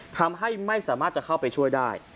ทำให้ไม่สามารถจะเข้าไปช่วยได้